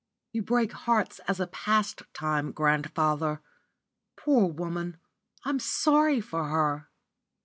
"You break hearts as a pastime, grandfather. Poor woman. I'm sorry for her."